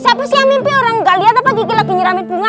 siapa sih yang mimpi orang gak lihat apa gigi lagi nyeramin bunga